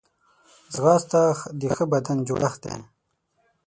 ځغاسته د ښه بدن جوړښت دی